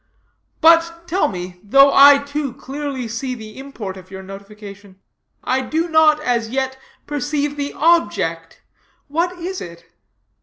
But, tell me, though I, too, clearly see the import of your notification, I do not, as yet, perceive the object. What is it?"